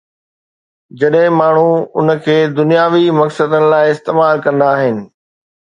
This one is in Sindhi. جڏهن ماڻهو ان کي دنياوي مقصدن لاءِ استعمال ڪندا آهن.